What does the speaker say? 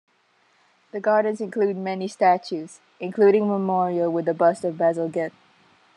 The gardens include many statues, including a memorial with a bust of Bazalgette.